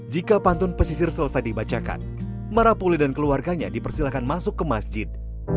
jika pantun pesisir selesai dibacakan marapule dan keluarganya dipersilakan masuk ke masjid